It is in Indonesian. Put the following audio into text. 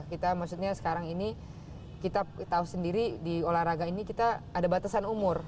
kita maksudnya sekarang ini kita tahu sendiri di olahraga ini kita ada batasan umur